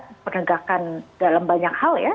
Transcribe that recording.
untuk menegakkan dalam banyak hal ya